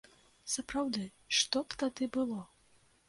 Сапраўды, што б тады было?